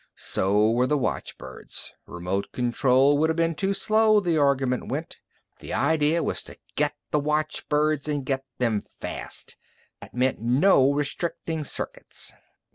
So were the watchbirds. Remote control would have been too slow, the argument went on. The idea was to get the watchbirds and get them fast. That meant no restricting circuits."